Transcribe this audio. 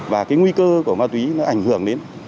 và cái nguy cơ của ma túy nó ảnh hưởng đến